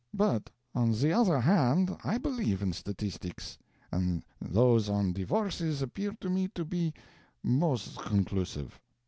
"But on the other hand I believe in statistics; and those on divorces appear to me to be most conclusive."